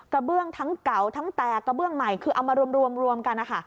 เบื้องทั้งเก่าทั้งแตกกระเบื้องใหม่คือเอามารวมกันนะคะ